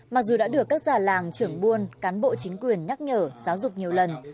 mặc dù đã được các già làng trưởng buôn cán bộ chính quyền nhắc nhở giáo dục nhiều lần